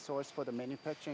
untuk produk pembuatan